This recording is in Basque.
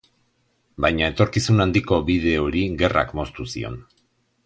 Baina etorkizun handiko bide hori gerrak moztu zion.